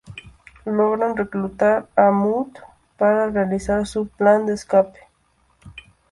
Logran reclutar a Mudd para realizar su plan de escape.